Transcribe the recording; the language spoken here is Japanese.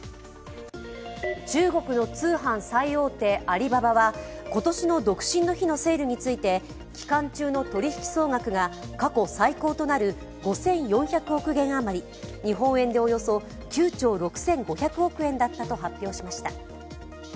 中国の通販最大手アリババは、今年の独身の日のセールについて期間中の取り引き総額が過去最高となる５４００億元余り日本円でおよそ９兆６５００億円だったと発表しました。